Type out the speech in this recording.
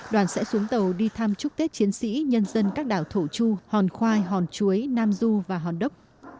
đoàn sẽ xuống tàu đi thăm chúc tết chiến sĩ nhân dân các đảo thổ chu hòn khoai hòn chuối nam du và hòn đốc